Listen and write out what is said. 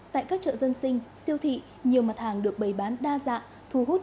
tại các chợ dân sinh siêu thị nhiều mặt hàng được bày bán đa dạng